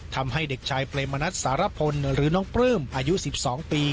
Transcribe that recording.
ทำให้เด็กชายเปรมนัดสารพลหรือน้องปลื้มอายุ๑๒ปี